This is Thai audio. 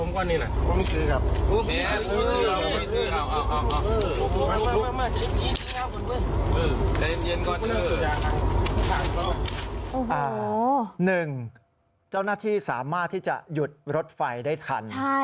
หนึ่งนักงานทำงานสามารถที่จะหยุดรถไฟได้ทัน